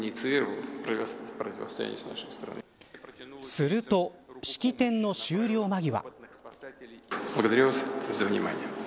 すると、式典の終了間際。